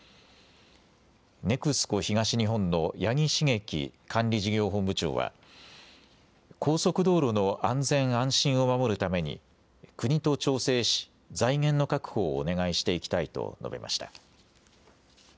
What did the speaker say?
ＮＥＸＣＯ東日本の八木茂樹管理事業本部長は高速道路の安全・安心を守るために国と調整し財源の確保をお願いしていきたいと述べました。